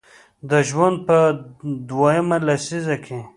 د ژوند په دویمه لسیزه کې